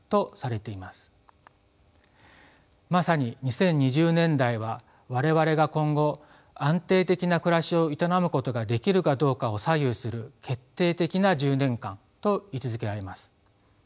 まさに２０２０年代は我々が今後安定的な暮らしを営むことができるかどうかを左右する決定的な１０年間と位置づけられます。